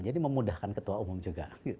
jadi memudahkan ketua umum juga